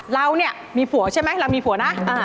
เรามีผัวใช่ไหมเรามีผัวนะ